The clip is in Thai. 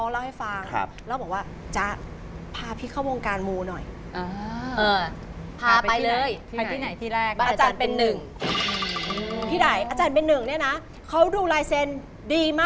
แล้วจะคบกับคนที่